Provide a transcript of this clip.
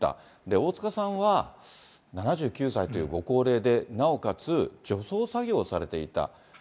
大塚さんは７９歳というご高齢で、なおかつ除草作業をされていた。